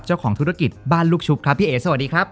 เจ้าของธุรกิจบ้านลูกชุบครับพี่เอ๋สวัสดีครับ